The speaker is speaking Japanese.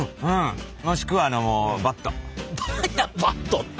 もしくはあの何やバットって。